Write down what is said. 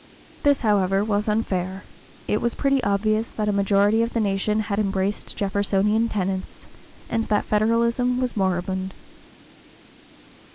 This, however, was unfair; it was perfectly obvious that a majority of the nation had embraced Jeffersonian tenets, and that Federalism was moribund.